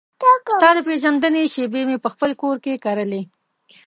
ستا د پیژندنې شیبې مې پخپل کور کې کرلې